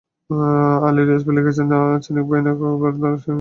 আলী রীয়াজ লিখেছেন, আচিন ভায়ানক মনে করেন, সহিংসতা হলো একটি নাটক।